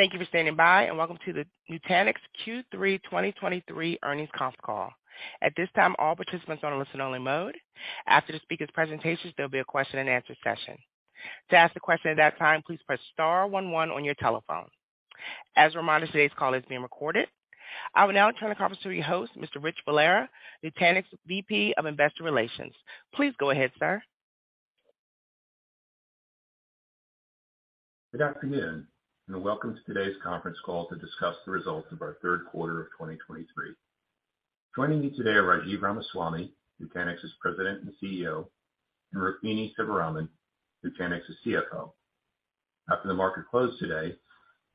Thank you for standing by and welcome to the Nutanix Q3 2023 earnings conference call. At this time, all participants are on listen only mode. After the speaker's presentations, there'll be a question-and-answer session. To ask a question at that time, please press star one one on your telephone. As a reminder, today's call is being recorded. I will now turn the conference to your host, Mr. Rich Valera, Nutanix VP of Investor Relations. Please go ahead, sir. Good afternoon, and welcome to today's conference call to discuss the results of our third quarter of 2023. Joining me today are Rajiv Ramaswami, Nutanix's President and CEO; and Rukmini Sivaraman, Nutanix's CFO. After the market closed today,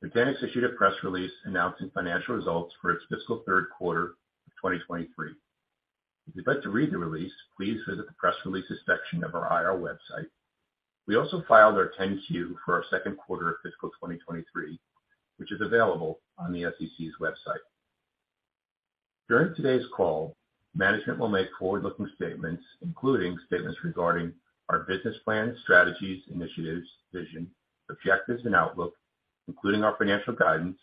Nutanix issued a press release announcing financial results for its fiscal third quarter of 2023. If you'd like to read the release, please visit the press releases section of our IR website. We also filed our Form 10-Q for our second quarter of fiscal 2023, which is available on the SEC's website. During today's call, management will make forward-looking statements, including statements regarding our business plan, strategies, initiatives, vision, objectives and outlook, including our financial guidance,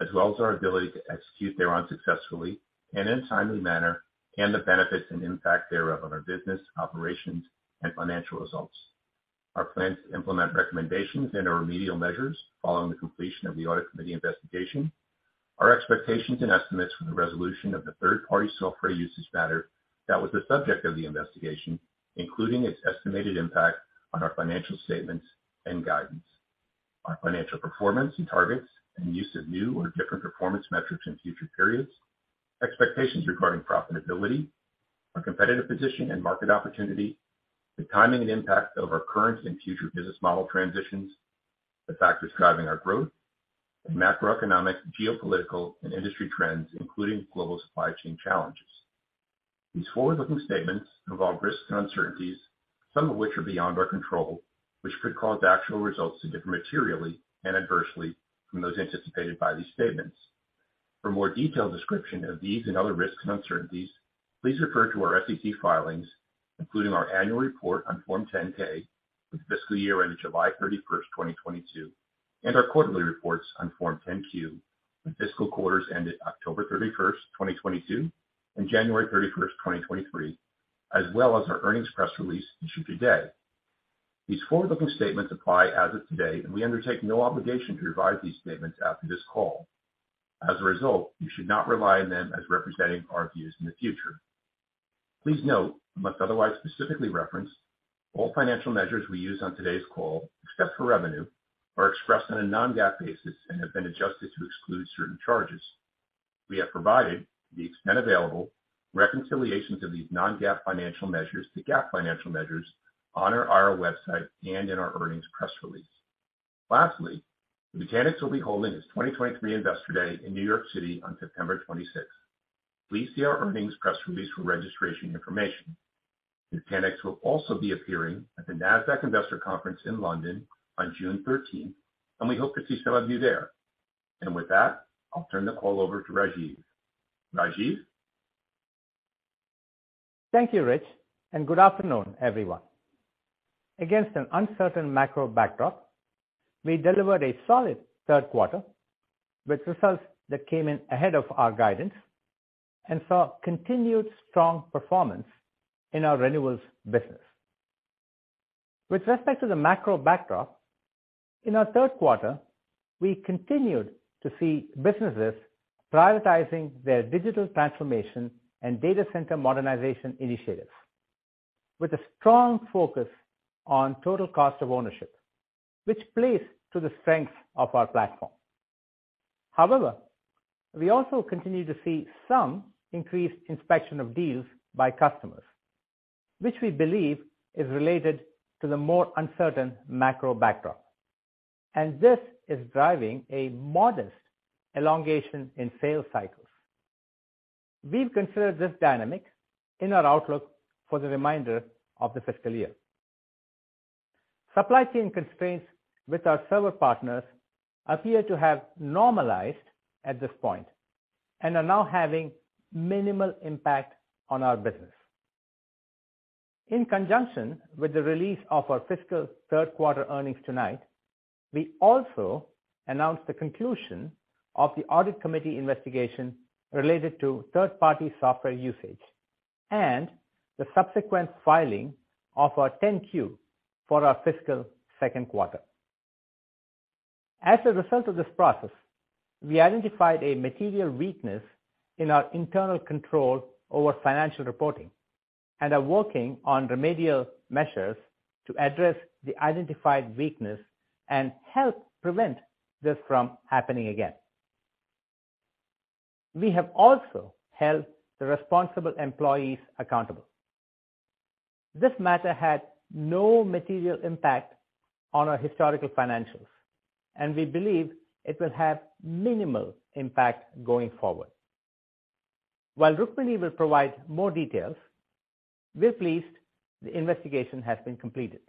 as well as our ability to execute thereon successfully and in a timely manner, and the benefits and impact thereof on our business operations and financial results. Our plans to implement recommendations and/or remedial measures following the completion of the Audit Committee investigation. Our expectations and estimates for the resolution of the third-party software usage matter that was the subject of the investigation, including its estimated impact on our financial statements and guidance, our financial performance and targets, and use of new or different performance metrics in future periods. Expectations regarding profitability, our competitive position and market opportunity, the timing and impact of our current and future business model transitions, the factors driving our growth, and macroeconomic, geopolitical and industry trends, including global supply chain challenges. These forward-looking statements involve risks and uncertainties, some of which are beyond our control, which could cause actual results to differ materially and adversely from those anticipated by these statements. For more detailed description of these and other risks and uncertainties, please refer to our SEC filings, including our annual report on Form 10-K for the fiscal year ended July 31st, 2022, and our quarterly reports on Form 10-Q for fiscal quarters ended October 31st, 2022 and January 31st, 2023, as well as our earnings press release issued today. These forward-looking statements apply as of today, and we undertake no obligation to revise these statements after this call. As a result, you should not rely on them as representing our views in the future. Please note, unless otherwise specifically referenced, all financial measures we use on today's call, except for revenue, are expressed on a non-GAAP basis and have been adjusted to exclude certain charges. We have provided, to the extent available, reconciliations of these non-GAAP financial measures to GAAP financial measures on our IR website and in our earnings press release. Lastly, Nutanix will be holding its 2023 Investor Day in New York City on September 26th. Please see our earnings press release for registration information. Nutanix will also be appearing at the Nasdaq Investor Conference in London on June 13th, and we hope to see some of you there. With that, I'll turn the call over to Rajiv. Rajiv. Thank you, Rich. Good afternoon, everyone. Against an uncertain macro backdrop, we delivered a solid third quarter with results that came in ahead of our guidance and saw continued strong performance in our renewables business. With respect to the macro backdrop, in our third quarter, we continued to see businesses prioritizing their digital transformation and data center modernization initiatives with a strong focus on total cost of ownership, which plays to the strength of our platform. However, we also continue to see some increased inspection of deals by customers, which we believe is related to the more uncertain macro backdrop, and this is driving a modest elongation in sales cycles. We've considered this dynamic in our outlook for the remainder of the fiscal year. Supply chain constraints with our server partners appear to have normalized at this point and are now having minimal impact on our business. In conjunction with the release of our fiscal third quarter earnings tonight, we also announced the conclusion of the Audit Committee investigation related to third-party software usage and the subsequent filing of our Form 10-Q for our fiscal second quarter. As a result of this process, we identified a material weakness in our internal control over financial reporting and are working on remedial measures to address the identified weakness and help prevent this from happening again. We have also held the responsible employees accountable. This matter had no material impact on our historical financials, and we believe it will have minimal impact going forward. While Rukmini will provide more details, we're pleased the investigation has been completed.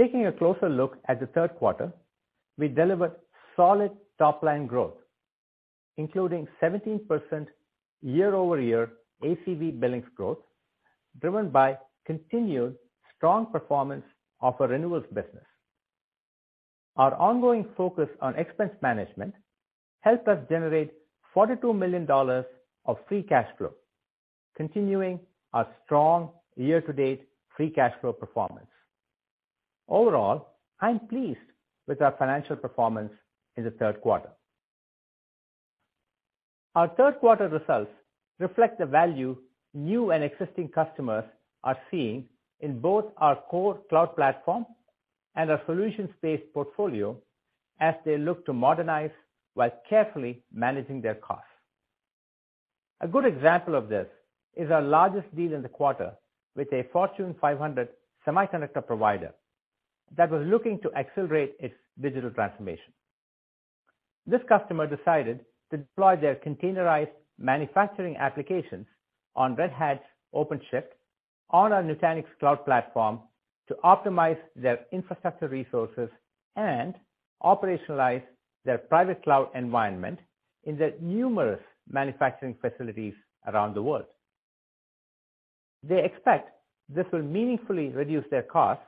Taking a closer look at the third quarter, we delivered solid top-line growth. Including 17% year-over-year ACV billings growth, driven by continued strong performance of our renewals business. Our ongoing focus on expense management helped us generate $42 million of free cash flow, continuing our strong year-to-date free cash flow performance. Overall, I'm pleased with our financial performance in the third quarter. Our third quarter results reflect the value new and existing customers are seeing in both our core cloud platform and our solutions-based portfolio as they look to modernize while carefully managing their costs. A good example of this is our largest deal in the quarter with a Fortune 500 semiconductor provider that was looking to accelerate its digital transformation. This customer decided to deploy their containerized manufacturing applications on Red Hat OpenShift on our Nutanix Cloud Platform to optimize their infrastructure resources and operationalize their private cloud environment in their numerous manufacturing facilities around the world. They expect this will meaningfully reduce their costs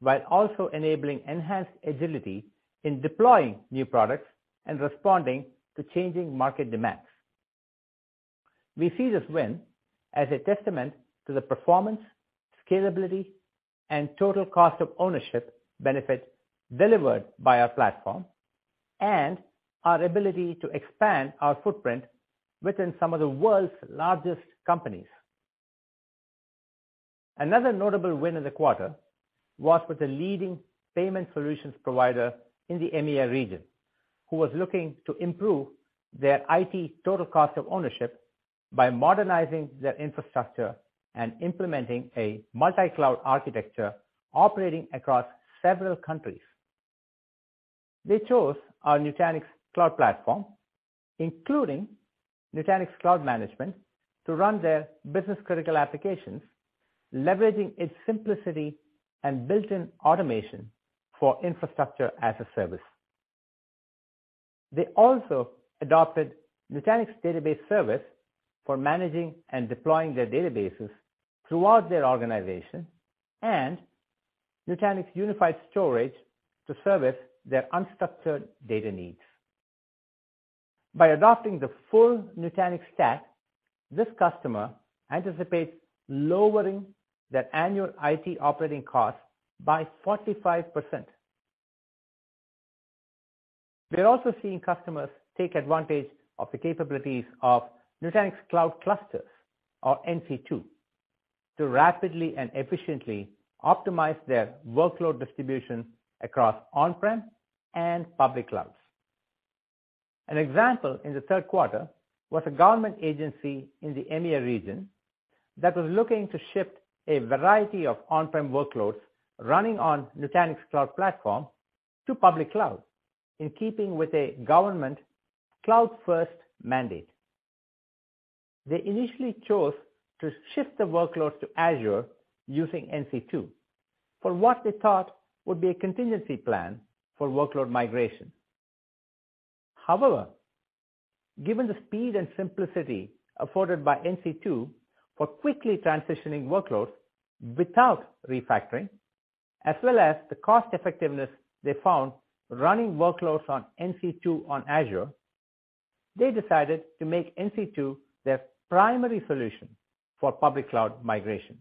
while also enabling enhanced agility in deploying new products and responding to changing market demands. We see this win as a testament to the performance, scalability, and total cost of ownership benefit delivered by our platform and our ability to expand our footprint within some of the world's largest companies. Another notable win in the quarter was with a leading payment solutions provider in the EMEA region, who was looking to improve their IT total cost of ownership by modernizing their infrastructure and implementing a multi-cloud architecture operating across several countries. They chose our Nutanix Cloud Platform, including Nutanix Cloud Management, to run their business-critical applications, leveraging its simplicity and built-in automation for infrastructure as a service. They also adopted Nutanix Database Service for managing and deploying their databases throughout their organization, and Nutanix Unified Storage to service their unstructured data needs. By adopting the full Nutanix stack, this customer anticipates lowering their annual IT operating costs by 45%. We're also seeing customers take advantage of the capabilities of Nutanix Cloud Clusters or NC2 to rapidly and efficiently optimize their workload distribution across on-prem and public clouds. An example in the third quarter was a government agency in the EMEA region that was looking to shift a variety of on-prem workloads running on Nutanix Cloud Platform to public cloud in keeping with a government cloud-first mandate. They initially chose to shift the workload to Azure using NC2 for what they thought would be a contingency plan for workload migration. However, given the speed and simplicity afforded by NC2 for quickly transitioning workloads without refactoring, as well as the cost-effectiveness they found running workloads on NC2 on Azure, they decided to make NC2 their primary solution for public cloud migration.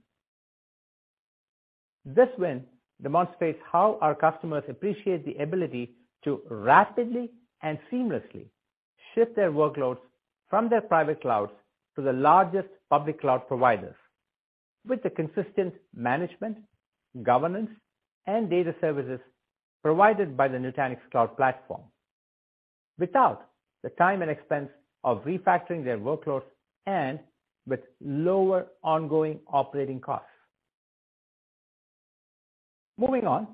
This win demonstrates how our customers appreciate the ability to rapidly and seamlessly shift their workloads from their private clouds to the largest public cloud providers with the consistent management, governance, and data services provided by the Nutanix Cloud Platform without the time and expense of refactoring their workloads and with lower ongoing operating costs. Moving on,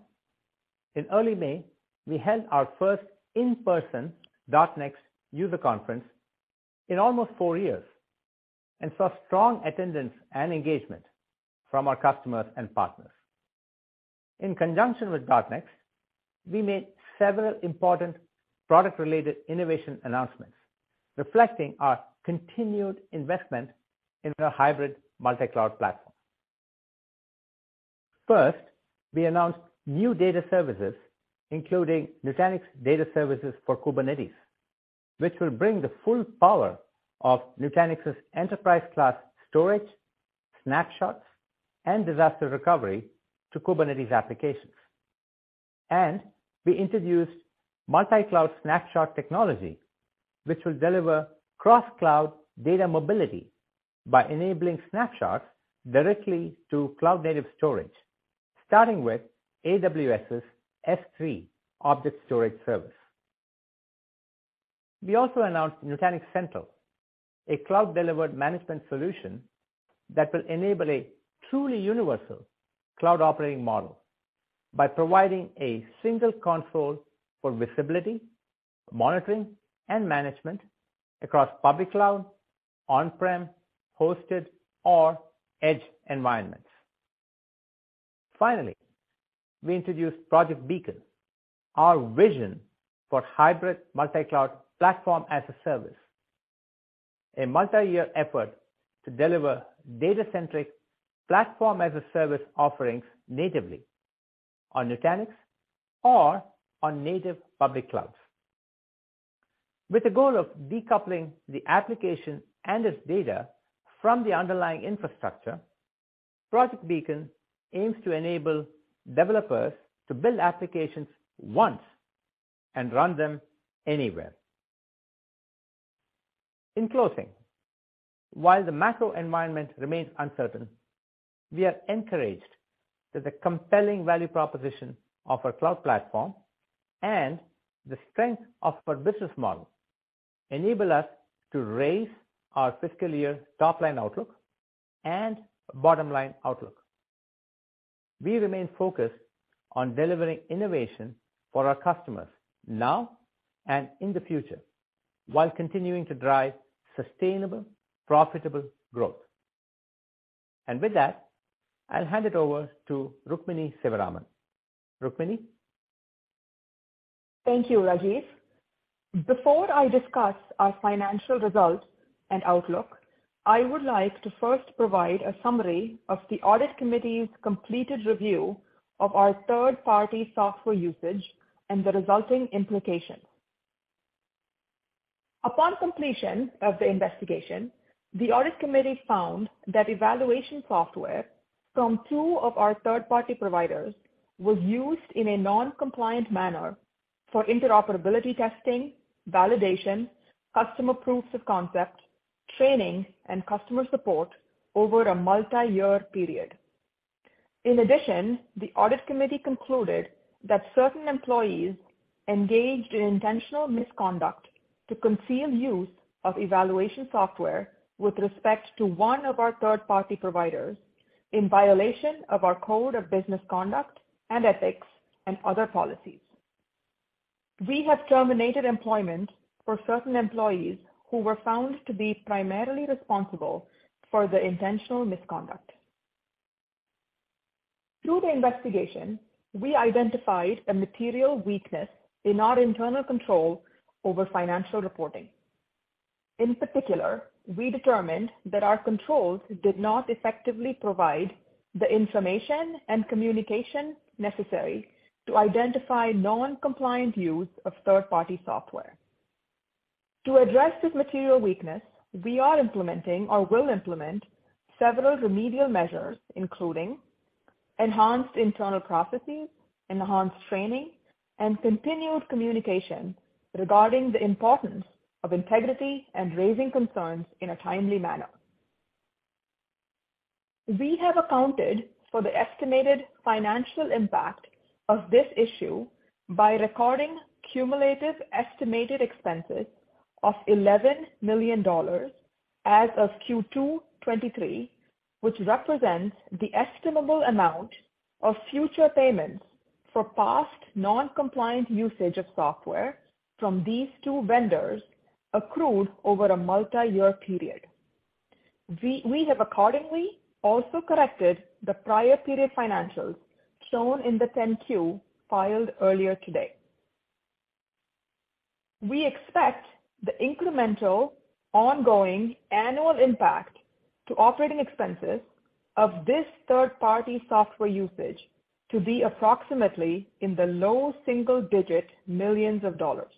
in early May, we held our first in-person .NEXT user conference in almost four years and saw strong attendance and engagement from our customers and partners. In conjunction with .NEXT, we made several important product-related innovation announcements reflecting our continued investment in our hybrid multi-cloud platform. First, we announced new data services, including Nutanix Data Services for Kubernetes, which will bring the full power of Nutanix's enterprise-class storage, snapshots, and disaster recovery to Kubernetes applications. We introduced multi-cloud snapshot technology, which will deliver cross-cloud data mobility by enabling snapshots directly to cloud-native storage, starting with AWS's S3 object storage service. We also announced Nutanix Central, a cloud-delivered management solution that will enable a truly universal cloud operating model by providing a single console for visibility, monitoring, and management across public cloud, on-prem, hosted, or edge environments. Finally, we introduced Project Beacon, our vision for hybrid multi-cloud platform as a service, a multi-year effort to deliver data-centric platform-as-a-service offerings natively on Nutanix or on native public clouds. With the goal of decoupling the application and its data from the underlying infrastructure, Project Beacon aims to enable developers to build applications once and run them anywhere. In closing, while the macro environment remains uncertain, we are encouraged that the compelling value proposition of our cloud platform and the strength of our business model enable us to raise our fiscal year top-line outlook and bottom-line outlook. We remain focused on delivering innovation for our customers now and in the future, while continuing to drive sustainable, profitable growth. With that, I'll hand it over to Rukmini Sivaraman. Rukmini? Thank you, Rajiv. Before I discuss our financial results and outlook, I would like to first provide a summary of the Audit Committee's completed review of our third-party software usage and the resulting implications. Upon completion of the investigation, the Audit Committee found that evaluation software from two of our third-party providers was used in a non-compliant manner for interoperability testing, validation, customer proofs of concept, training, and customer support over a multi-year period. In addition, the Audit Committee concluded that certain employees engaged in intentional misconduct to conceal use of evaluation software with respect to one of our third-party providers in violation of our code of business conduct and ethics and other policies. We have terminated employment for certain employees who were found to be primarily responsible for the intentional misconduct. Through the investigation, we identified a material weakness in our internal control over financial reporting. In particular, we determined that our controls did not effectively provide the information and communication necessary to identify non-compliant use of third-party software. To address this material weakness, we are implementing or will implement several remedial measures, including enhanced internal processes, enhanced training, and continued communication regarding the importance of integrity and raising concerns in a timely manner. We have accounted for the estimated financial impact of this issue by recording cumulative estimated expenses of $11 million as of Q2 2023, which represents the estimable amount of future payments for past non-compliant usage of software from these two vendors accrued over a multi-year period. We have accordingly also corrected the prior period financials shown in the 10-Q filed earlier today. We expect the incremental ongoing annual impact to operating expenses of this third-party software usage to be approximately in the low single-digit millions of dollars.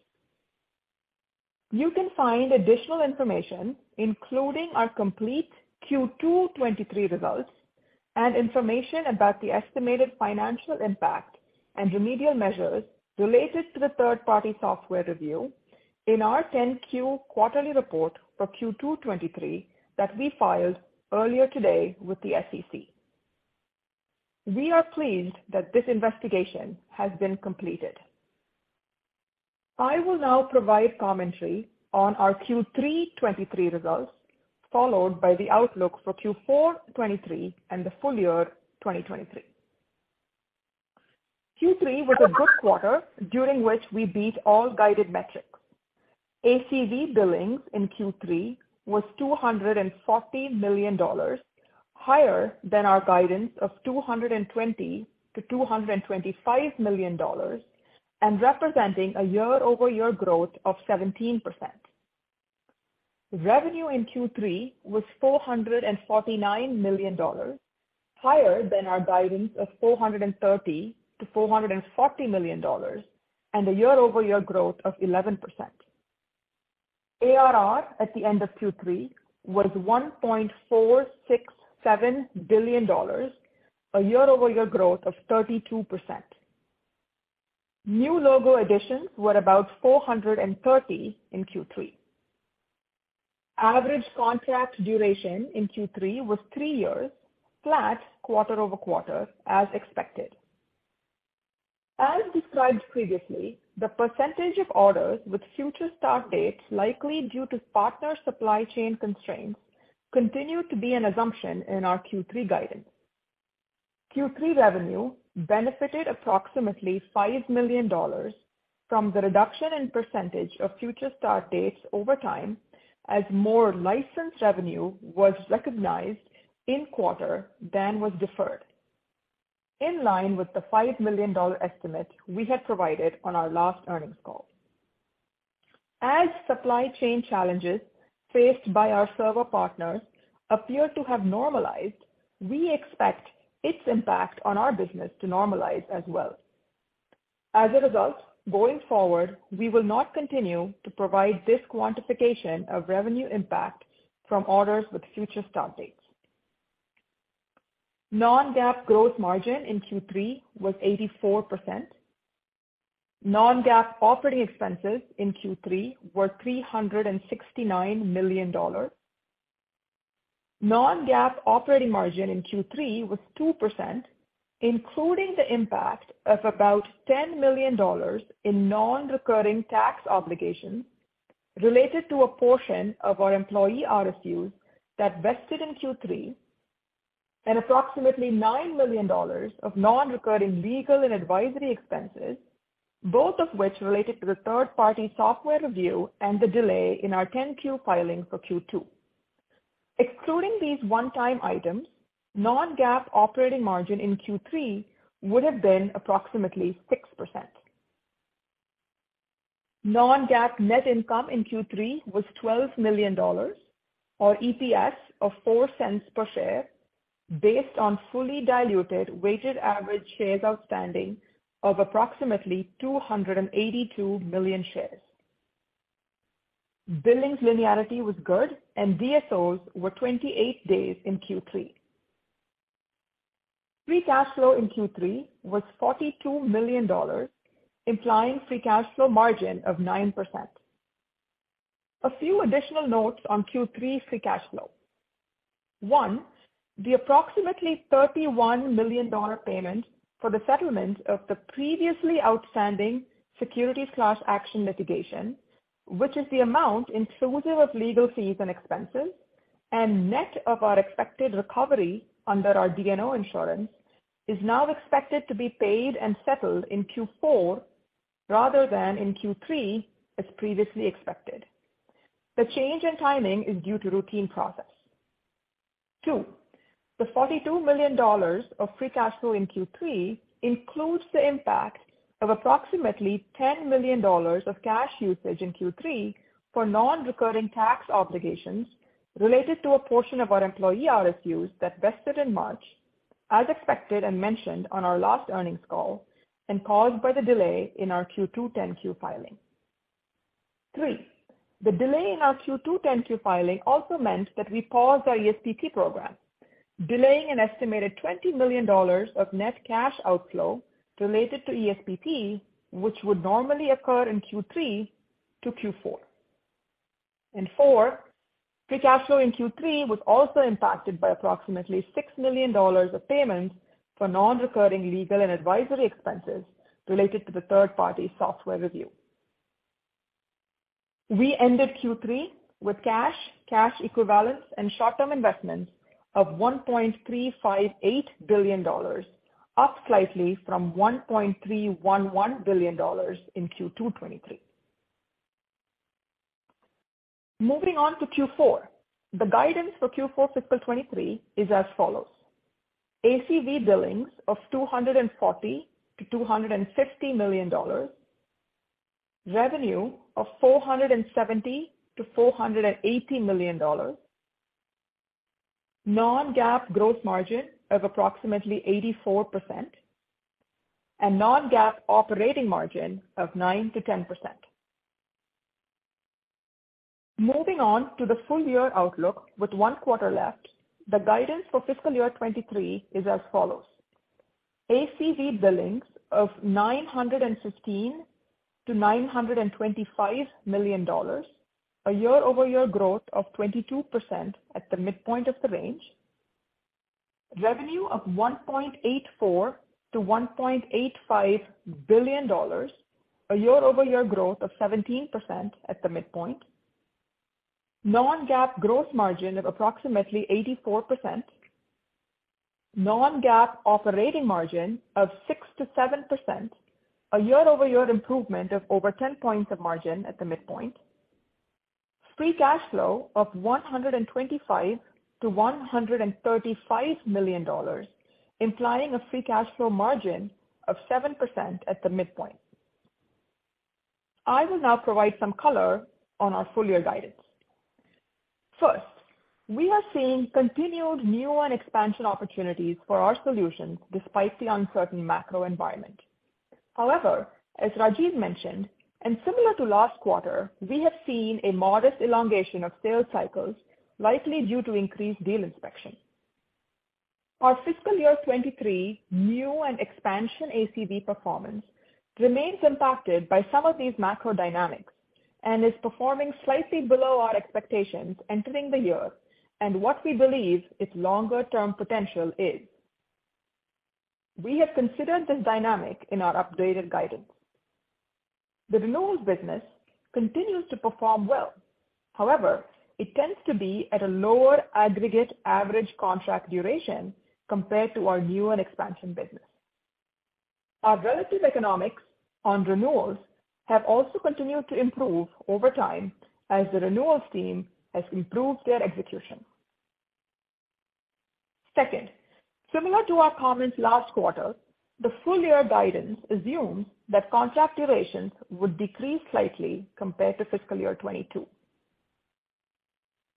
You can find additional information, including our complete Q2 2023 results and information about the estimated financial impact and remedial measures related to the third-party software review in our Form 10-Q quarterly report for Q2 2023 that we filed earlier today with the SEC. We are pleased that this investigation has been completed. I will now provide commentary on our Q3 2023 results, followed by the outlook for Q4 2023 and the full year 2023. Q3 was a good quarter, during which we beat all guided metrics. ACV billings in Q3 was $240 million, higher than our guidance of $220 million-$225 million and representing a year-over-year growth of 17%. Revenue in Q3 was $449 million, higher than our guidance of $430 million-$440 million and a year-over-year growth of 11%. ARR at the end of Q3 was $1.467 billion, a year-over-year growth of 32%. New logo additions were about 430 in Q3. Average contract duration in Q3 was three years, flat quarter-over-quarter, as expected. As described previously, the percentage of orders with future start dates likely due to partner supply chain constraints continued to be an assumption in our Q3 guidance. Q3 revenue benefited approximately $5 million from the reduction in percentage of future start dates over time. As more licensed revenue was recognized in quarter than was deferred, in line with the $5 million estimate we had provided on our last earnings call. As supply chain challenges faced by our server partners appear to have normalized, we expect its impact on our business to normalize as well. As a result, going forward, we will not continue to provide this quantification of revenue impact from orders with future start dates. Non-GAAP growth margin in Q3 was 84%. Non-GAAP operating expenses in Q3 were $369 million. Non-GAAP operating margin in Q3 was 2%, including the impact of about $10 million in non-recurring tax obligations related to a portion of our employee RSUs that vested in Q3, and approximately $9 million of non-recurring legal and advisory expenses, both of which related to the third party software review and the delay in our Form 10-Q filing for Q2. Excluding these one-time items, non-GAAP operating margin in Q3 would have been approximately 6%. Non-GAAP net income in Q3 was $12 million or EPS of $0.04 per share based on fully diluted weighted average shares outstanding of approximately 282 million shares. Billings linearity was good and DSOs were 28 days in Q3. Free cash flow in Q3 was $42 million, implying free cash flow margin of 9%. A few additional notes on Q3 free cash flow. One, the approximately $31 million payment for the settlement of the previously outstanding securities class action litigation, which is the amount inclusive of legal fees and expenses and net of our expected recovery under our D&O insurance, is now expected to be paid and settled in Q4 rather than in Q3 as previously expected. The change in timing is due to routine process. Two, the $42 million of free cash flow in Q3 includes the impact of approximately $10 million of cash usage in Q3 for non-recurring tax obligations related to a portion of our employee RSUs that vested in March as expected and mentioned on our last earnings call and caused by the delay in our Q2 Form 10-Q filing. Three, the delay in our Q2 Form 10-Q filing also meant that we paused our ESPP program, delaying an estimated $20 million of net cash outflow related to ESPP, which would normally occur in Q3 to Q4. Four, free cash flow in Q3 was also impacted by approximately $6 million of payments for non-recurring legal and advisory expenses related to the third party software review. We ended Q3 with cash equivalents and short-term investments of $1.358 billion, up slightly from $1.311 billion in Q2 2023. Moving on to Q4. The guidance for Q4 fiscal 2023 is as follows: ACV billings of $240 million-$250 million, revenue of $470 million-$480 million, non-GAAP gross margin of approximately 84% and non-GAAP operating margin of 9%-10%. Moving on to the full year outlook with one quarter left, the guidance for fiscal year 2023 is as follows: ACV billings of $915 million-$925 million, a year-over-year growth of 22% at the midpoint of the range, revenue of $1.84 billion-$1.85 billion, a year-over-year growth of 17% at the midpoint, non-GAAP growth margin of approximately 84%, non-GAAP operating margin of 6%-7%, a year-over-year improvement of over 10 points of margin at the midpoint, free cash flow of $125 million-$135 million, implying a free cash flow margin of 7% at the midpoint. I will now provide some color on our full year guidance. First, we are seeing continued new and expansion opportunities for our solutions despite the uncertain macro environment. As Rajiv mentioned, and similar to last quarter, we have seen a modest elongation of sales cycles, likely due to increased deal inspection. Our fiscal year 2023 new and expansion ACV performance remains impacted by some of these macro dynamics and is performing slightly below our expectations entering the year and what we believe its longer term potential is. We have considered this dynamic in our updated guidance. The renewals business continues to perform well. It tends to be at a lower aggregate average contract duration compared to our new and expansion business. Our relative economics on renewals have also continued to improve over time as the renewals team has improved their execution. Similar to our comments last quarter, the full year guidance assumes that contract durations would decrease slightly compared to fiscal year 2022.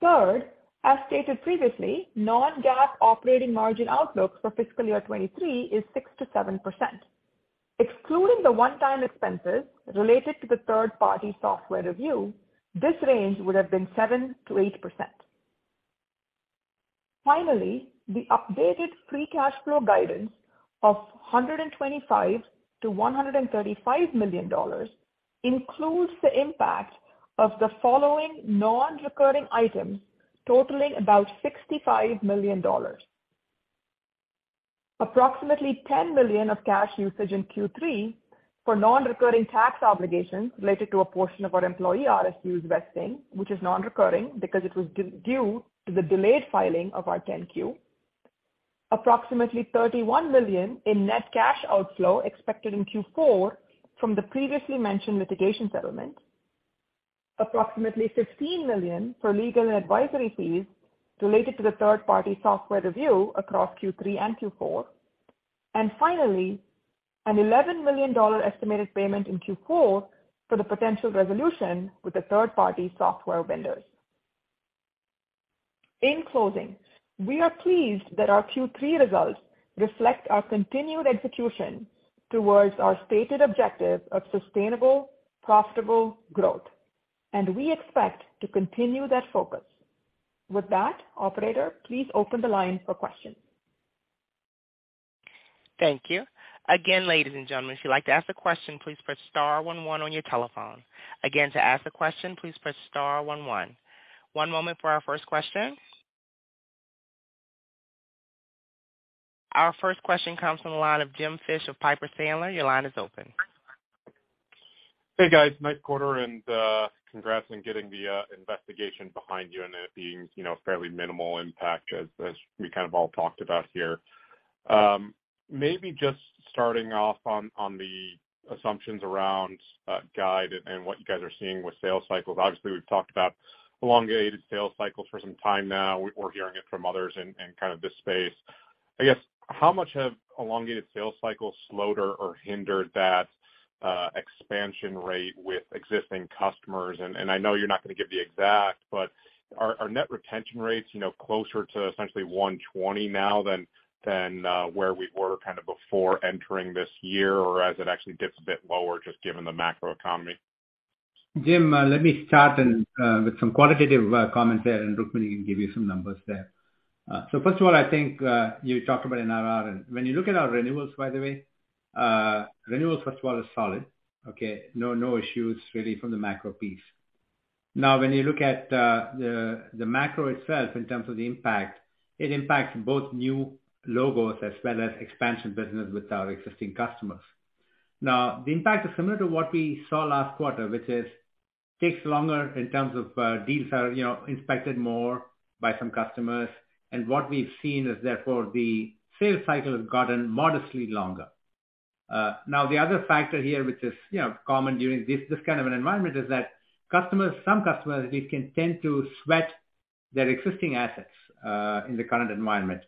Third, as stated previously, non-GAAP operating margin outlook for fiscal year 2023 is 6%-7%. Excluding the one-time expenses related to the third party software review, this range would have been 7%-8%. Finally, the updated free cash flow guidance of $125 million-$135 million includes the impact of the following non-recurring items totaling about $65 million. Approximately $10 million of cash usage in Q3 for non-recurring tax obligations related to a portion of our employee RSUs vesting, which is non-recurring because it was due to the delayed filing of our Form 10-Q. Approximately $31 million in net cash outflow expected in Q4 from the previously mentioned litigation settlement. Approximately $15 million for legal and advisory fees related to the third party software review across Q3 and Q4. Finally, an $11 million estimated payment in Q4 for the potential resolution with the third-party software vendors. In closing, we are pleased that our Q3 results reflect our continued execution towards our stated objective of sustainable, profitable growth, and we expect to continue that focus. With that, operator, please open the line for questions. Thank you. Again, ladies and gentlemen, if you'd like to ask a question, please press star one one on your telephone. Again, to ask a question, please press star one one. One moment for our first question. Our first question comes from the line of James Fish of Piper Sandler. Your line is open. Hey, guys. Nice quarter and congrats on getting the investigation behind you and it being, you know, fairly minimal impact as we kind of all talked about here. Maybe just starting off on the assumptions around guide and what you guys are seeing with sales cycles. Obviously, we've talked about elongated sales cycles for some time now. We're hearing it from others in kind of this space. I guess how much have elongated sales cycles slowed or hindered that expansion rate with existing customers? I know you're not gonna give the exact, but are net retention rates, you know, closer to essentially 120% now than where we were kind of before entering this year or as it actually gets a bit lower just given the macroeconomy? Jim, let me start and with some qualitative comments there, and Rukmini can give you some numbers there. First of all, I think, you talked about NRR. When you look at our renewals, by the way, renewals first of all is solid, okay? No issues really from the macro piece. When you look at the macro itself in terms of the impact, it impacts both new logos as well as expansion business with our existing customers. The impact is similar to what we saw last quarter, which is takes longer in terms of, deals are, you know, inspected more by some customers. What we've seen is therefore the sales cycle has gotten modestly longer. Now the other factor here, which is, you know, common during this kind of an environment, is that customers, some customers indeed can tend to sweat their existing assets in the current environment,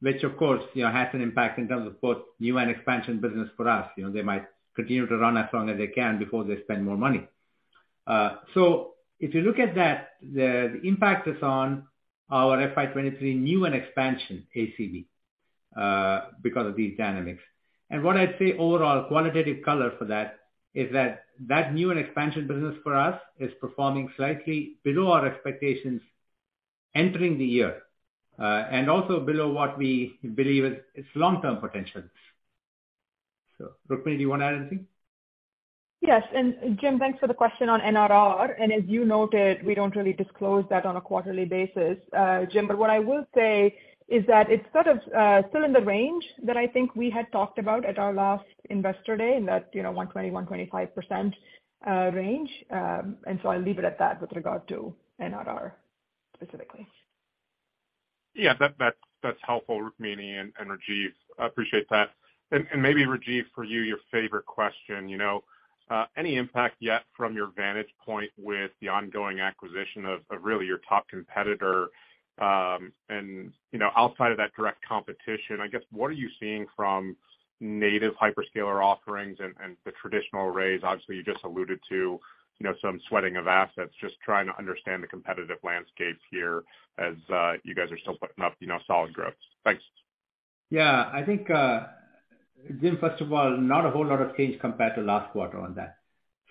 which of course, you know, has an impact in terms of both new and expansion business for us. You know, they might continue to run as long as they can before they spend more money. If you look at that, the impact is on our FY 2023 new and expansion ACV because of these dynamics. What I'd say overall qualitative color for that is that that new and expansion business for us is performing slightly below our expectations entering the year, and also below what we believe is its long-term potential. Rukmini, do you wanna add anything? Yes. Jim, thanks for the question on NRR. As you noted, we don't really disclose that on a quarterly basis, Jim. What I will say is that it's sort of still in the range that I think we had talked about at our last Investor Day in that, you know, 120%-125% range. So I'll leave it at that with regard to NRR specifically. Yeah. That's helpful, Rukmini and Rajiv. I appreciate that. Maybe Rajiv, for you, your favorite question, you know, any impact yet from your vantage point with the ongoing acquisition of really your top competitor? You know, outside of that direct competition, I guess what are you seeing from native hyperscaler offerings and the traditional arrays? Obviously, you just alluded to, you know, some sweating of assets. Just trying to understand the competitive landscape here as you guys are still putting up, you know, solid growth. Thanks. Yeah. I think, Jim, first of all, not a whole lot of change compared to last quarter on that.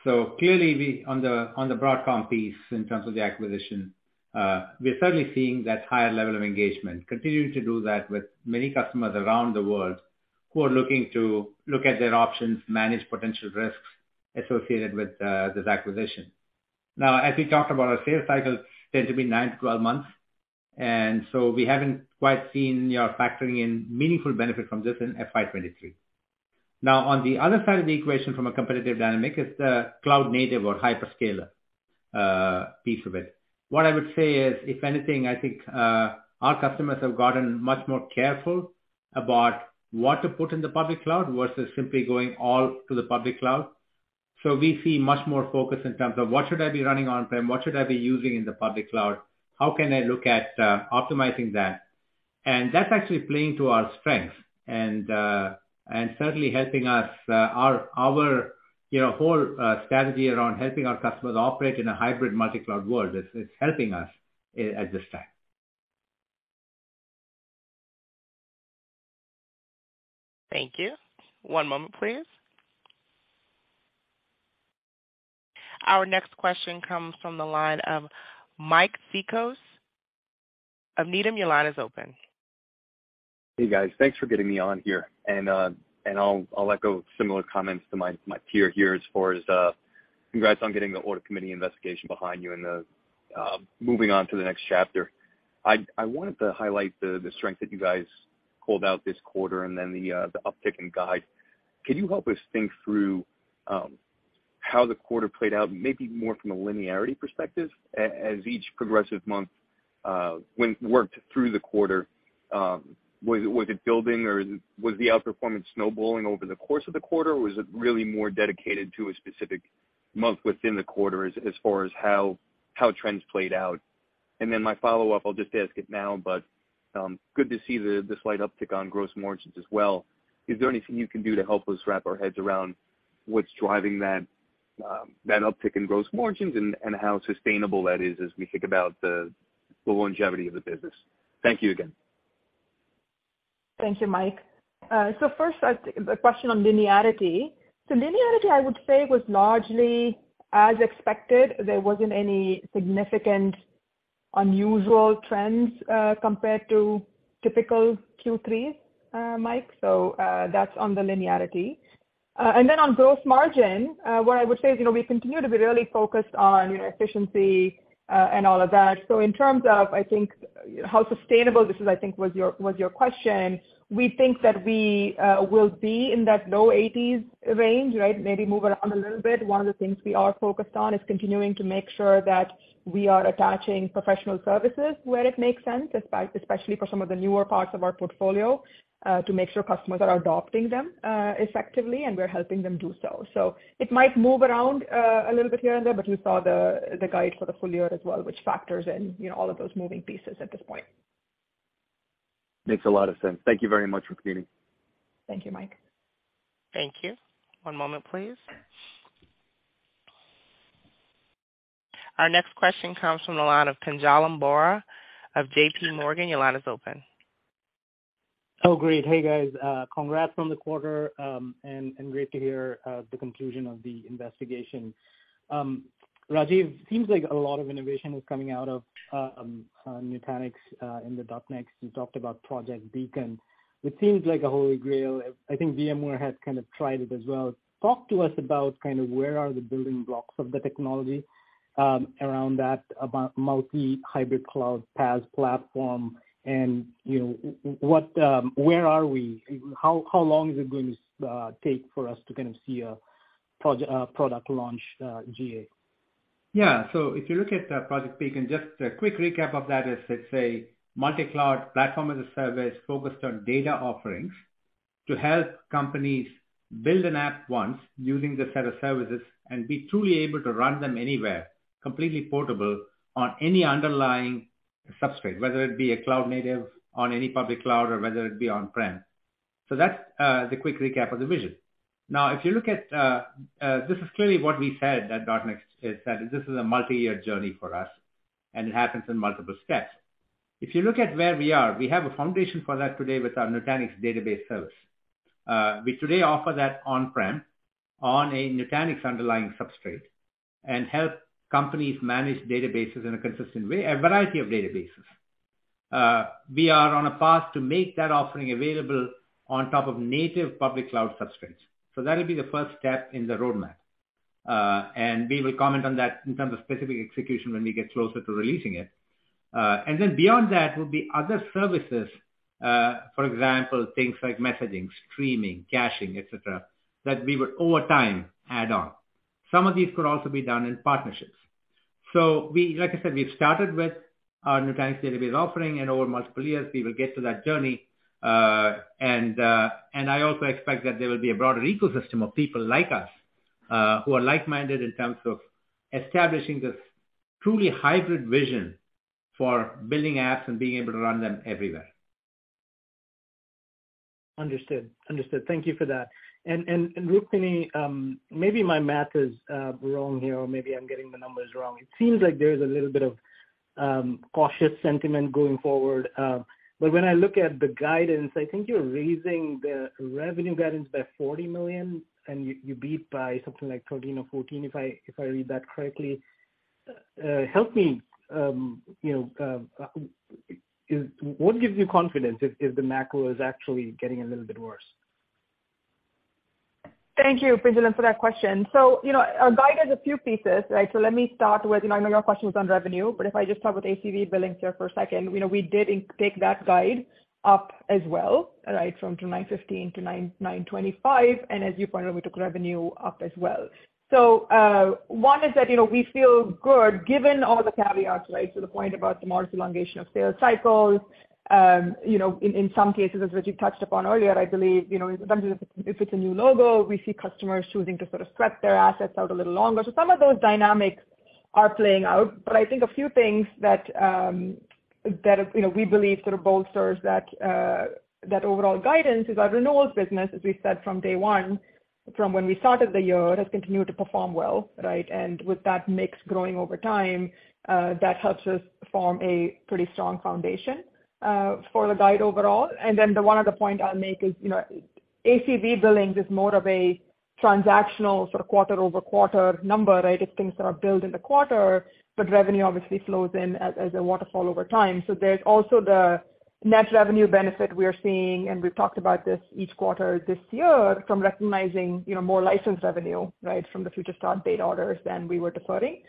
Clearly we on the Broadcom piece in terms of the acquisition, we're certainly seeing that higher level of engagement. Continuing to do that with many customers around the world who are looking to look at their options, manage potential risks associated with this acquisition. As we talked about, our sales cycles tend to be nine to 12 months, we haven't quite seen, you know, factoring in meaningful benefit from this in FY 2023. On the other side of the equation from a competitive dynamic is the cloud native or hyperscaler piece of it. What I would say is, if anything, I think, our customers have gotten much more careful about what to put in the public cloud versus simply going all to the public cloud. We see much more focus in terms of what should I be running on-prem? What should I be using in the public cloud? How can I look at, optimizing that? That's actually playing to our strengths and certainly helping us, our, you know, whole strategy around helping our customers operate in a hybrid multi-cloud world. It's, it's helping us at this time. Thank you. One moment, please. Our next question comes from the line of Mike Cikos of Needham, your line is open. Hey, guys. Thanks for getting me on here. I'll echo similar comments to my peer here as far as congrats on getting the Order Committee investigation behind you and moving on to the next chapter. I wanted to highlight the strength that you guys called out this quarter and then the uptick in guide. Can you help us think through how the quarter played out, maybe more from a linearity perspective as each progressive month when worked through the quarter was it building or was the outperformance snowballing over the course of the quarter? Or was it really more dedicated to a specific month within the quarter as far as how trends played out? My follow-up, I'll just ask it now, but good to see the slight uptick on gross margins as well. Is there anything you can do to help us wrap our heads around what's driving that uptick in gross margins and how sustainable that is as we think about the longevity of the business? Thank you again. Thank you, Mike. First, the question on linearity. Linearity, I would say, was largely as expected. There wasn't any significant unusual trends, compared to typical Q3, Mike. That's on the linearity. On gross margin, what I would say is, you know, we continue to be really focused on, you know, efficiency, and all of that. In terms of, I think, how sustainable this is, I think was you question. We think that we will be in that low 80s range, right? Maybe move around a little bit. One of the things we are focused on is continuing to make sure that we are attaching professional services where it makes sense, especially for some of the newer parts of our portfolio, to make sure customers are adopting them effectively, and we're helping them do so. It might move around a little bit here and there, but you saw the guide for the full year as well, which factors in, you know, all of those moving pieces at this point. Makes a lot of sense. Thank you very much, Rukmini. Thank you, Mike. Thank you. One moment, please. Our next question comes from the line of Pinjalim Bora of JPMorgan. Your line is open. Oh, great. Hey, guys. Congrats on the quarter, and great to hear the conclusion of the investigation. Rajiv, seems like a lot of innovation is coming out of Nutanix in the .NEXT. You talked about Project Beacon. It seems like a holy grail. I think VMware has kind of tried it as well. Talk to us about kind of where are the building blocks of the technology around that, about multi-hybrid cloud PaaS platform and, you know, what where are we? How long is it going to take for us to kind of see a product launch, GA? Yeah. If you look at Project Beacon, just a quick recap of that is it's a multi-cloud Platform as a Service focused on data offerings to help companies build an app once using the set of services and be truly able to run them anywhere, completely portable on any underlying substrate, whether it be a cloud native on any public cloud or whether it be on-prem. That's the quick recap of the vision. Now, if you look at, this is clearly what we said at .NEXT, is that this is a multi-year journey for us, and it happens in multiple steps. If you look at where we are, we have a foundation for that today with our Nutanix Database Service. We today offer that on-prem on a Nutanix underlying substrate and help companies manage databases in a consistent way, a variety of databases. We are on a path to make that offering available on top of native public cloud substrates. That'll be the first step in the roadmap. We will comment on that in terms of specific execution when we get closer to releasing it. Then beyond that will be other services, for example, things like messaging, streaming, caching, et cetera, that we would over time add on. Some of these could also be done in partnerships. Like I said, we've started with our Nutanix database offering, and over multiple years, we will get to that journey. I also expect that there will be a broader ecosystem of people like us, who are like-minded in terms of establishing this truly hybrid vision for building apps and being able to run them everywhere. Understood. Understood. Thank you for that. Rukmini, maybe my math is wrong here, or maybe I'm getting the numbers wrong. It seems like there's a little bit of cautious sentiment going forward. When I look at the guidance, I think you're raising the revenue guidance by $40 million, and you beat by something like 13 or 14, if I read that correctly. Help me, you know, what gives you confidence if the macro is actually getting a little bit worse? Thank you, Pinjalim, for that question. You know, our guide has a few pieces, right? Let me start with, you know, I know your question was on revenue, but if I just start with ACV billings here for a second. You know, we did in-take that guide up as well, right? From 915-925. As you pointed out, we took revenue up as well. One is that, you know, we feel good given all the caveats, right? To the point about the more elongation of sales cycles, you know, in some cases, as Rajiv touched upon earlier, I believe, you know, sometimes if it's a new logo, we see customers choosing to sort of stretch their assets out a little longer. Some of those dynamics are playing out. I think a few things that, you know, we believe sort of bolsters that overall guidance is our renewals business, as we said from day one, from when we started the year, has continued to perform well, right? With that mix growing over time, that helps us form a pretty strong foundation for the guide overall. The one other point I'll make is, you know, ACV billings is more of a transactional sort of quarter-over-quarter number, right? It's things that are billed in the quarter, but revenue obviously flows in as a waterfall over time. There's also the net revenue benefit we are seeing, and we've talked about this each quarter this year from recognizing, you know, more licensed revenue, right? From the future start date orders than we were deferring,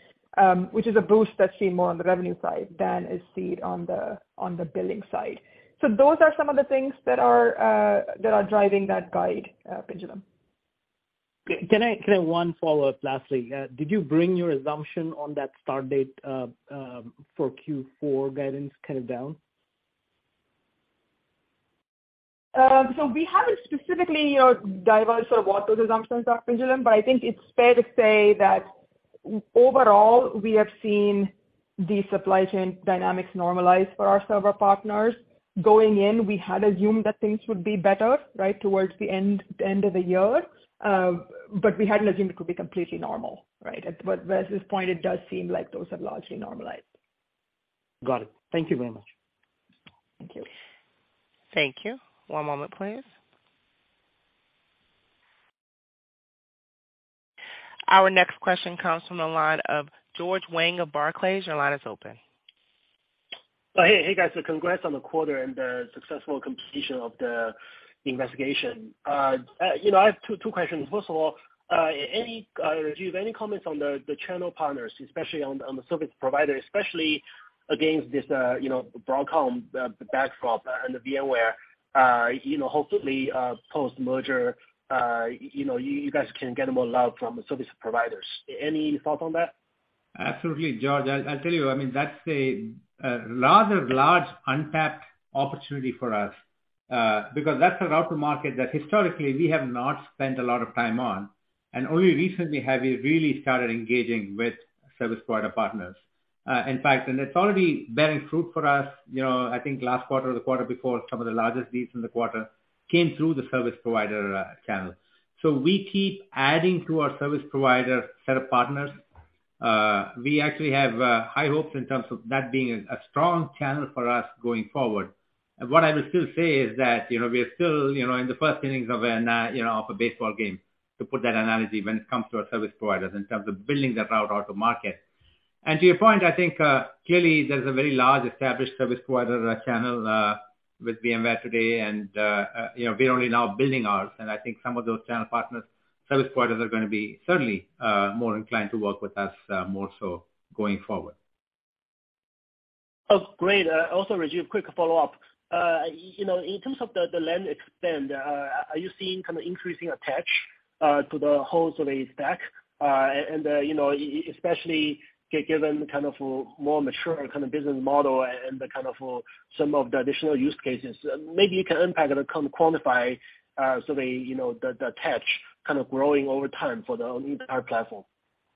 which is a boost that's seen more on the revenue side than is seen on the, on the billing side. Those are some of the things that are driving that guide, Pinjalim. Can I one follow-up lastly, did you bring your assumption on that start date for Q4 guidance kind of down? We haven't specifically, you know, divulged sort of what those assumptions are, Pinjalim, but I think it's fair to say that overall we have seen the supply chain dynamics normalize for our server partners. Going in, we had assumed that things would be better, right, towards the end, the end of the year, but we hadn't assumed it could be completely normal, right? Whereas this point it does seem like those have largely normalized. Got it. Thank you very much. Thank you. Thank you. One moment please. Our next question comes from the line of George Wang of Barclays. Your line is open. Hey guys. Congrats on the quarter and the successful completion of the investigation. You know, I have two questions. First of all, any, do you have any comments on the channel partners, especially on the service provider, especially against this, you know, Broadcom, the backdrop and the VMware, you know, hopefully, post-merger, you know, you guys can get more love from service providers? Any thought on that? Absolutely, George. I'll tell you, I mean, that's a rather large untapped opportunity for us because that's a route to market that historically we have not spent a lot of time on, and only recently have we really started engaging with service provider partners. In fact, it's already bearing fruit for us. You know, I think last quarter or the quarter before, some of the largest deals in the quarter came through the service provider channel. We keep adding to our service provider set of partners. We actually have high hopes in terms of that being a strong channel for us going forward. What I will still say is that, you know, we are still, you know, in the first innings of a baseball game, to put that analogy when it comes to our service providers in terms of building that route out to market. To your point, I think, clearly there's a very large established service provider channel with VMware today and, you know, we're only now building ours. I think some of those channel partners, service providers are gonna be certainly, more inclined to work with us, more so going forward. Oh, great. Also, Rajiv, quick follow-up. You know, in terms of the land expand, are you seeing kind of increasing attach to the whole survey stack? You know, especially given kind of a more mature kind of business model and the kind of, some of the additional use cases, maybe you can unpack or kind of quantify, so the, you know, the attach kind of growing over time for the entire platform?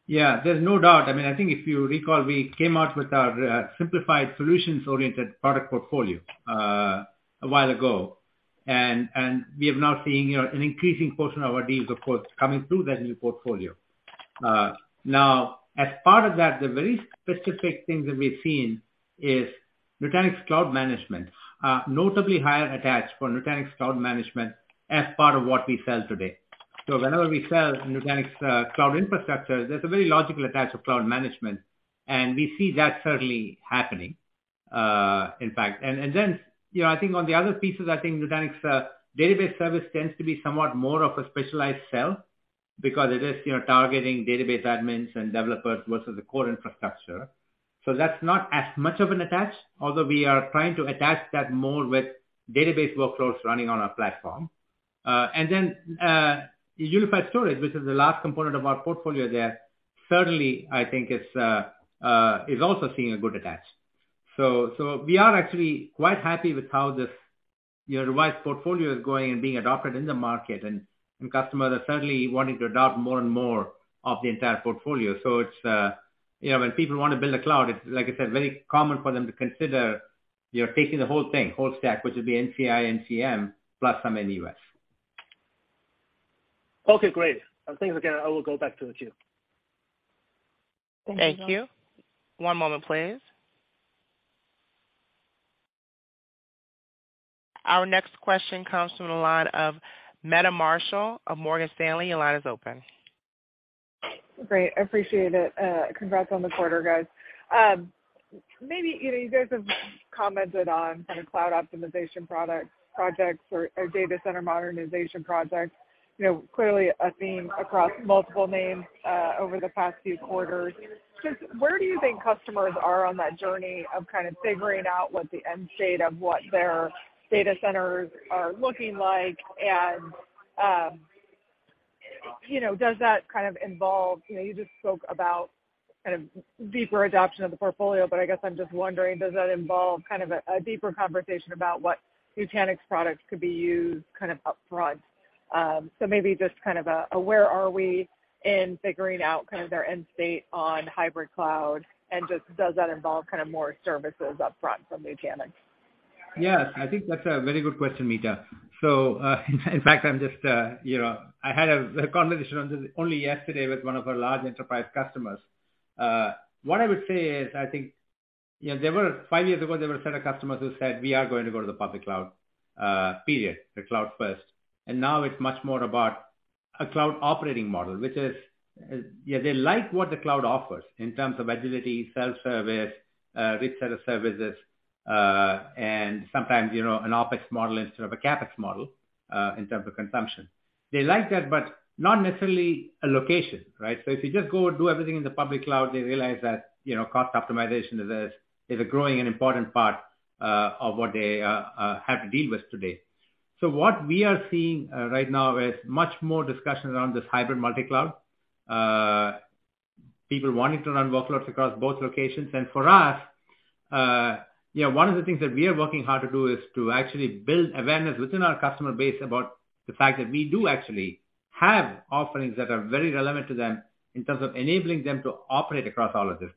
Yeah, there's no doubt. I mean, I think if you recall, we came out with our simplified solutions-oriented product portfolio a while ago. We have now seen, you know, an increasing portion of our deals, of course, coming through that new portfolio. Now as part of that, the very specific things that we've seen is Nutanix Cloud Management, notably higher attach for Nutanix Cloud Management as part of what we sell today. Whenever we sell Nutanix Cloud Infrastructure, there's a very logical attach of Cloud Management, and we see that certainly happening in fact. Then, you know, I think on the other pieces, I think Nutanix Database Service tends to be somewhat more of a specialized sell because it is, you know, targeting database admins and developers versus the core infrastructure. That's not as much of an attach, although we are trying to attach that more with database workloads running on our platform. Then, unified storage, which is the last component of our portfolio there, certainly I think is also seeing a good attach. We are actually quite happy with how this, you know, revised portfolio is going and being adopted in the market. Customers are certainly wanting to adopt more and more of the entire portfolio. It's, you know, when people want to build a cloud, it's, like I said, very common for them to consider, you know, taking the whole thing, whole stack, which would be NCI, NCM, plus some NUS. Okay, great. Thanks again. I will go back to the queue. Thank you. One moment, please. Our next question comes from the line of Meta Marshall of Morgan Stanley. Your line is open. Great. I appreciate it. Congrats on the quarter, guys. Maybe, you know, you guys have commented on kind of cloud optimization projects or data center modernization projects. You know, clearly a theme across multiple names, over the past few quarters. Just where do you think customers are on that journey of kind of figuring out what the end state of what their data centers are looking like? You know, you just spoke about kind of deeper adoption of the portfolio. I guess I'm just wondering, does that involve kind of a deeper conversation about what Nutanix products could be used kind of upfront? Maybe just kind of a where are we in figuring out kind of their end state on hybrid cloud and just does that involve kind of more services upfront from Nutanix? Yes, I think that's a very good question, Meta. In fact, I'm just, you know, I had a conversation on this only yesterday with one of our large enterprise customers. What I would say is, I think, you know, five years ago, there were a set of customers who said, 'We are going to go to the public cloud, period, the cloud first.' Now it's much more about a cloud operating model, which is, yeah, they like what the cloud offers in terms of agility, self-service, rich set of services, and sometimes, you know, an OpEx model instead of a CapEx model in terms of consumption. They like that, but not necessarily a location, right? If you just go and do everything in the public cloud, they realize that, you know, cost optimization is a growing and important part of what they have to deal with today. What we are seeing right now is much more discussions around this hybrid multi-cloud, people wanting to run workloads across both locations. For us, you know, one of the things that we are working hard to do is to actually build awareness within our customer base about the fact that we do actually have offerings that are very relevant to them in terms of enabling them to operate across all of this.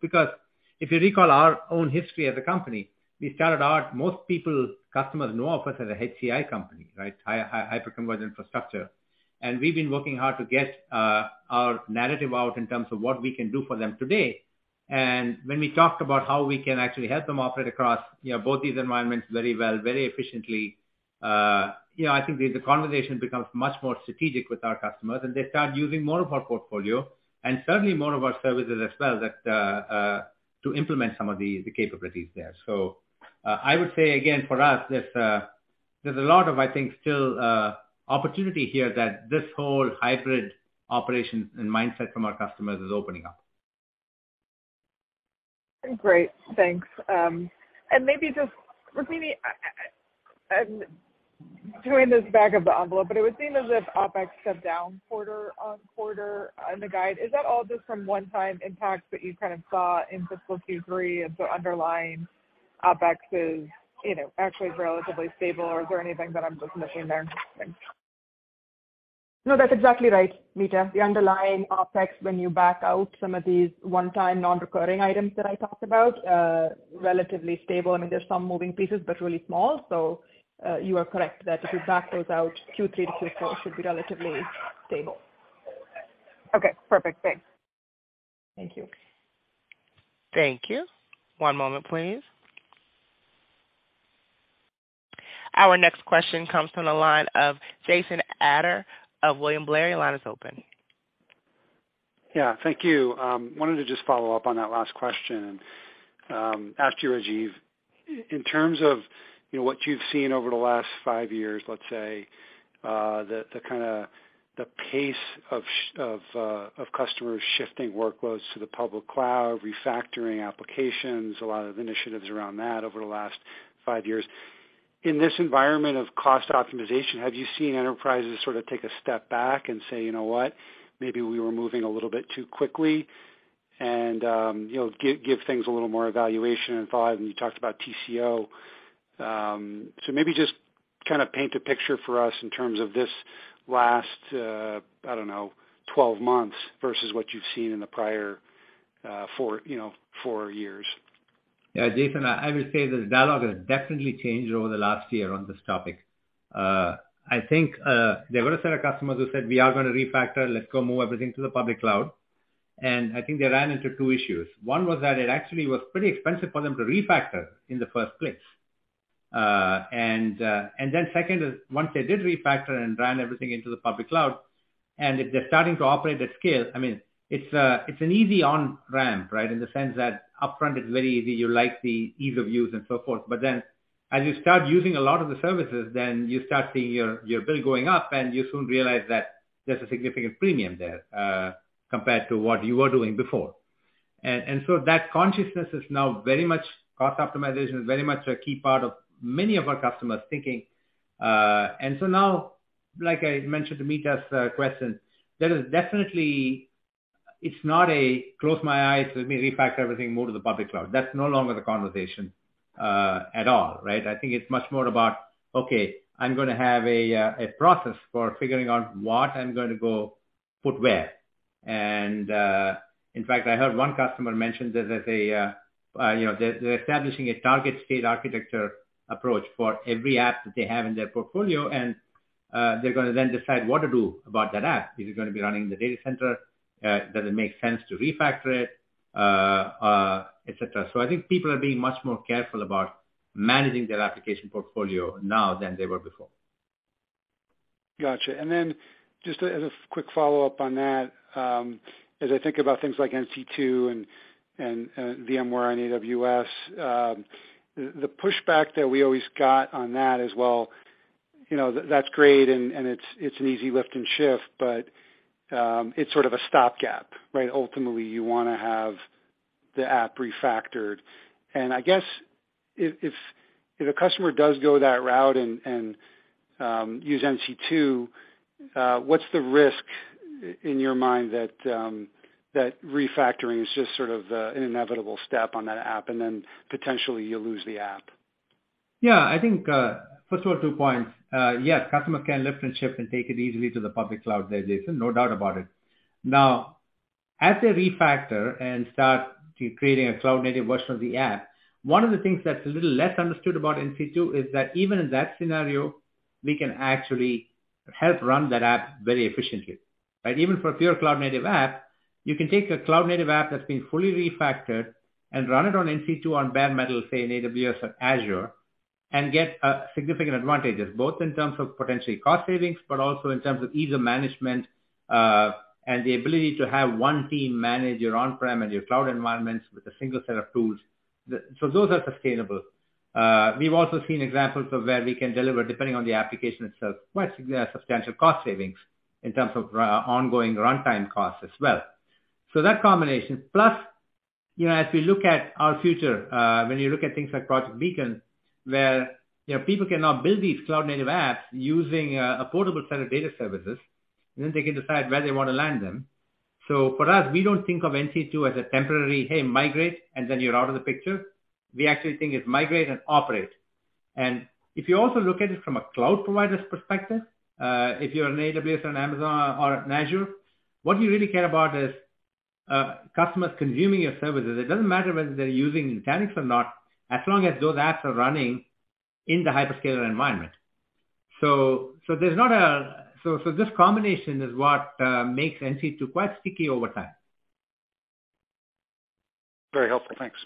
If you recall our own history as a company, we started out. Most people, customers know of us as a HCI company, right? Hyperconverged infrastructure. We've been working hard to get our narrative out in terms of what we can do for them today. When we talk about how we can actually help them operate across, you know, both these environments very well, very efficiently, you know, I think the conversation becomes much more strategic with our customers, and they start using more of our portfolio and certainly more of our services as well that to implement some of the capabilities there. I would say again, for us, there's a lot of, I think, still, opportunity here that this whole hybrid operation and mindset from our customers is opening up. Great. Thanks. Maybe just, Rukmini, I'm doing this back of the envelope, but it would seem as if OpEx is down quarter-on-quarter on the guide. Is that all just from one-time impacts that you kind of saw in fiscal Q3, and so underlying OpEx is, you know, actually relatively stable or is there anything that I'm just missing there? Thanks. That's exactly right, Meta. The underlying OpEx, when you back out some of these one-time non-recurring items that I talked about, relatively stable. I mean, there's some moving pieces, but really small. You are correct that if you back those out, Q3 to Q4 should be relatively stable. Okay. Perfect. Thanks. Thank you. Thank you. One moment, please. Our next question comes from the line of Jason Ader of William Blair. Your line is open. Yeah. Thank you. wanted to just follow up on that last question, ask you, Rajiv. In terms of, you know, what you've seen over the last five years, let's say, the pace of customers shifting workloads to the public cloud, refactoring applications, a lot of initiatives around that over the last five years. In this environment of cost optimization, have you seen enterprises sorta take a step back and say, "You know what? Maybe we were moving a little bit too quickly," and, you know, give things a little more evaluation and thought, and you talked about TCO? Maybe just kinda paint a picture for us in terms of this last, I don't know, 12 months versus what you've seen in the prior, four years. Yeah. Jason, I would say the dialogue has definitely changed over the last year on this topic. I think there were a set of customers who said, "We are gonna refactor. Let's go move everything to the public cloud." I think they ran into two issues. One was that it actually was pretty expensive for them to refactor in the first place. And then second is once they did refactor and ran everything into the public cloud, if they're starting to operate at scale, I mean, it's an easy on-ramp, right? In the sense that upfront it's very easy. You like the ease of use and so forth. As you start using a lot of the services, then you start seeing your bill going up, and you soon realize that there's a significant premium there, compared to what you were doing before. That consciousness is now very much... Cost optimization is very much a key part of many of our customers' thinking. Now, like I mentioned to Meta's question, there is definitely, It's not a close my eyes, let me refactor everything, move to the public cloud. That's no longer the conversation at all, right? I think it's much more about, okay, I'm gonna have a process for figuring out what I'm gonna go put where. In fact, I heard one customer mention this as a, you know, they're establishing a target state architecture approach for every app that they have in their portfolio. They're gonna then decide what to do about that app. Is it gonna be running in the data center? Does it make sense to refactor it? Et cetera. I think people are being much more careful about managing their application portfolio now than they were before. Gotcha. Just as a quick follow-up on that, as I think about things like NC2 and VMware and AWS, the pushback that we always got on that is, well, you know, that's great, and it's an easy lift and shift, but it's sort of a stopgap, right? Ultimately, you wanna have the app refactored. I guess if a customer does go that route and use NC2, what's the risk in your mind that refactoring is just sort of an inevitable step on that app, and then potentially you lose the app? Yeah, I think, first of all, two points. Yes, customer can lift and shift and take it easily to the public cloud there, Jason, no doubt about it. Now, as they refactor and start to creating a cloud native version of the app, one of the things that's a little less understood about NC2 is that even in that scenario, we can actually help run that app very efficiently, right. Even for a pure cloud native app, you can take a cloud native app that's been fully refactored and run it on NC2 on bare metal, say in AWS or Azure, and get significant advantages, both in terms of potentially cost savings, but also in terms of ease of management, and the ability to have one team manage your on-prem and your cloud environments with a single set of tools. Those are sustainable. We've also seen examples of where we can deliver, depending on the application itself, quite significant substantial cost savings in terms of ongoing runtime costs as well. That combination, plus, you know, as we look at our future, when you look at things like Project Beacon, where, you know, people can now build these cloud native apps using a portable set of data services, and then they can decide where they wanna land them. For us, we don't think of NC2 as a temporary, "Hey, migrate," and then you're out of the picture. We actually think it's migrate and operate. If you also look at it from a cloud provider's perspective, if you're an AWS or an Amazon or an Azure, what you really care about is customers consuming your services. It doesn't matter whether they're using Nutanix or not, as long as those apps are running in the hyperscaler environment. There's not a, this combination is what makes NC2 quite sticky over time. Very helpful. Thanks.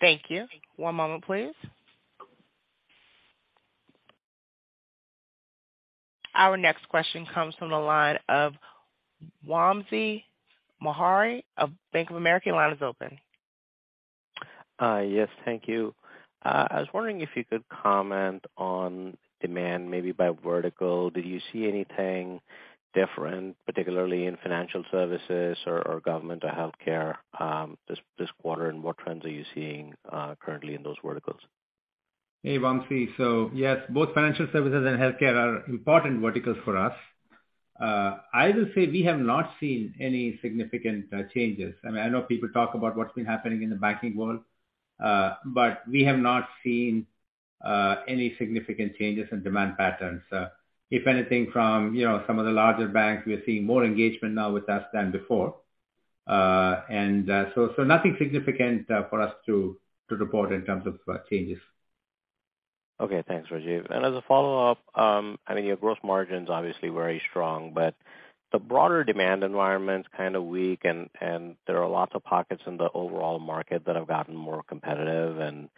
Thank you. One moment, please. Our next question comes from the line of Wamsi Mohan of Bank of America. Your line is open. Yes, thank you. I was wondering if you could comment on demand maybe by vertical. Did you see anything different, particularly in financial services or government or healthcare, this quarter, and what trends are you seeing currently in those verticals? Hey, Wamsi. Yes, both financial services and healthcare are important verticals for us. I will say we have not seen any significant changes. I mean, I know people talk about what's been happening in the banking world, but we have not seen any significant changes in demand patterns. If anything from, you know, some of the larger banks, we're seeing more engagement now with us than before. Nothing significant for us to report in terms of changes. Okay, thanks, Rajiv. As a follow-up, I mean, your gross margin's obviously very strong, but the broader demand environment's kinda weak and there are lots of pockets in the overall market that have gotten more competitive and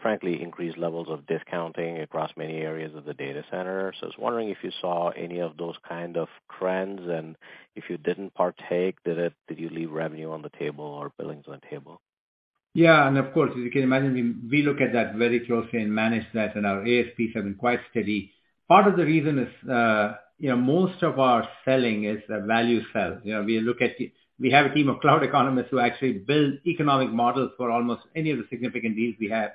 frankly, increased levels of discounting across many areas of the data center. I was wondering if you saw any of those kind of trends, and if you didn't partake, did you leave revenue on the table or billings on the table? Yeah. Of course, as you can imagine, we look at that very closely and manage that. Our ASPs have been quite steady. Part of the reason is, you know, most of our selling is a value sell. You know, we have a team of cloud economists who actually build economic models for almost any of the significant deals we have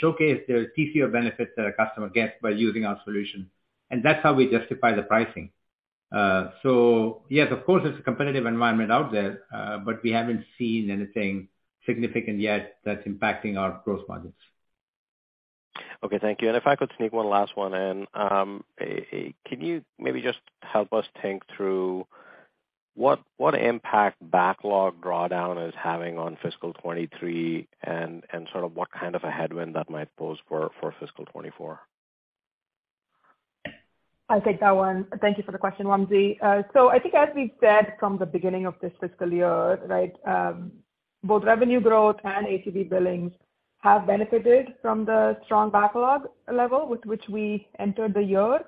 showcase the TCO benefits that a customer gets by using our solution, and that's how we justify the pricing. Yes, of course, it's a competitive environment out there, we haven't seen anything significant yet that's impacting our gross margins. Okay, thank you. If I could sneak one last one in. Can you maybe just help us think through what impact backlog drawdown is having on fiscal 2023 and sort of what kind of a headwind that might pose for fiscal 2024? I'll take that one. Thank you for the question, Wamsi. I think as we've said from the beginning of this fiscal year, right, both revenue growth and ACV billings have benefited from the strong backlog level with which we entered the year.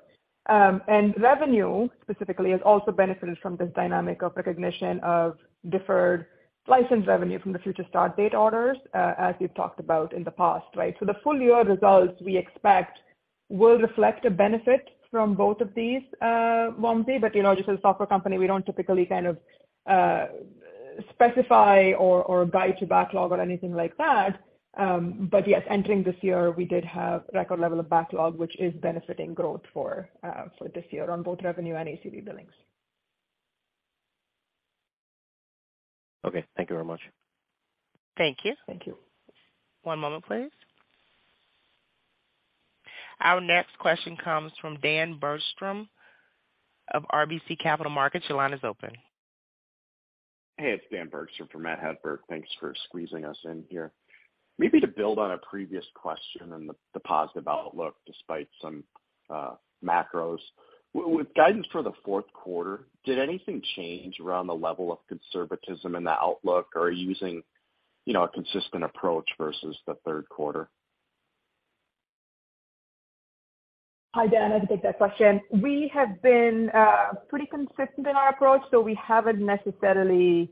Revenue specifically has also benefited from this dynamic of recognition of deferred license revenue from the future start date orders, as we've talked about in the past, right. The full year results, we expect will reflect a benefit from both of these, Wamsi. You know, just as a software company, we don't typically kind of specify or guide to backlog or anything like that. Yes, entering this year, we did have record level of backlog, which is benefiting growth for this year on both revenue and ACV billings. Okay. Thank you very much. Thank you. Thank you. One moment, please. Our next question comes from Dan Bergstrom of RBC Capital Markets. Your line is open. Hey, it's Dan Bergstrom for Matt Hedberg. Thanks for squeezing us in here. Maybe to build on a previous question and the positive outlook despite some macros, with guidance for the fourth quarter, did anything change around the level of conservatism in the outlook or are you using, you know, a consistent approach versus the third quarter? Hi, Dan. I can take that question. We have been pretty consistent in our approach. We haven't necessarily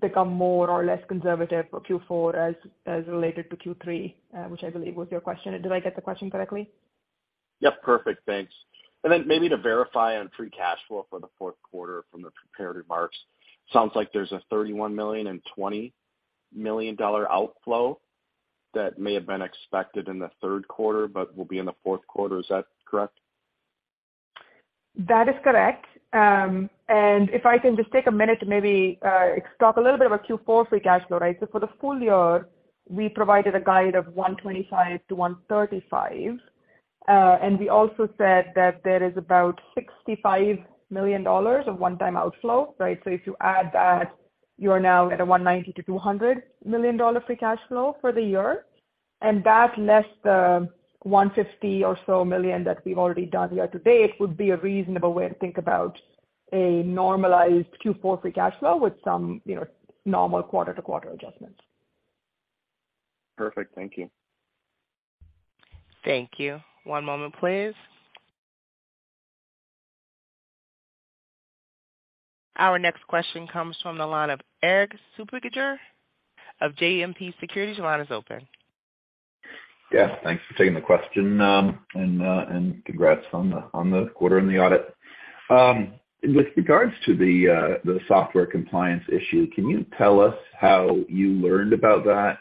become more or less conservative for Q4 as related to Q3, which I believe was your question. Did I get the question correctly? Yep. Perfect. Thanks. Then maybe to verify on free cash flow for the fourth quarter from the prepared remarks, sounds like there's a $31 million and $20 million outflow that may have been expected in the third quarter but will be in the fourth quarter. Is that correct? That is correct. If I can just take a minute to maybe talk a little bit about Q4 free cash flow. For the full year, we provided a guide of $125 million-$135 million, and we also said that there is about $65 million of one-time outflow. If you add that, you are now at a $190 million-$200 million free cash flow for the year. That less the $150 million or so that we've already done year to date would be a reasonable way to think about a normalized Q4 free cash flow with some, you know, normal quarter-to-quarter adjustments. Perfect. Thank you. Thank you. One moment, please. Our next question comes from the line of Erik Suppiger of JMP Securities. Your line is open. Yes, thanks for taking the question. Congrats on the quarter and the audit. With regards to the software compliance issue, can you tell us how you learned about that?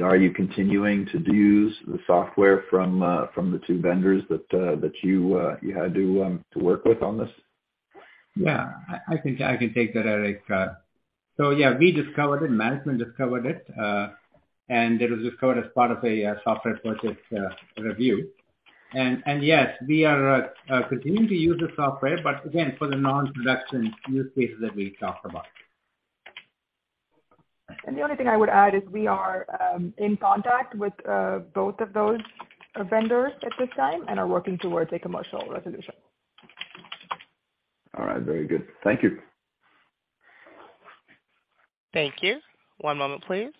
Are you continuing to use the software from the two vendors that you had to work with on this? Yeah, I think I can take that, Erik. Yeah, we discovered it. Management discovered it, and it was discovered as part of a software purchase review. Yes, we are continuing to use the software, but again, for the non-production use cases that we talked about. The only thing I would add is we are in contact with both of those vendors at this time and are working towards a commercial resolution. All right. Very good. Thank you. Thank you. One moment, please.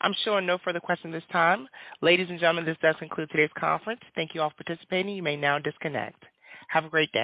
I'm showing no further questions at this time. Ladies and gentlemen, this does conclude today's conference. Thank you all for participating. You may now disconnect. Have a great day.